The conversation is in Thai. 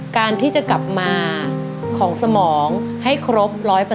การที่จะกลับมาของสมองให้ครบ๑๐๐